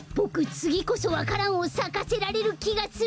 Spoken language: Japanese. つぎこそわか蘭をさかせられるきがする！